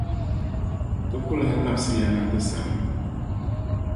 Ti ku lahi labsi ya na ti sani.